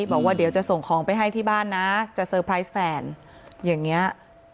บอกว่าเดี๋ยวจะส่งของไปให้ที่บ้านนะจะเซอร์ไพรส์แฟนอย่างนี้